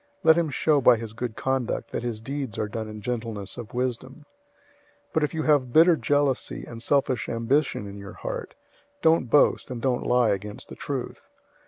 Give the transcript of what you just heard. Let him show by his good conduct that his deeds are done in gentleness of wisdom. 003:014 But if you have bitter jealousy and selfish ambition in your heart, don't boast and don't lie against the truth.